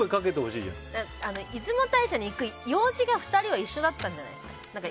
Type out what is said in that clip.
出雲大社に行く用事が、２人は一緒だったんじゃないですか。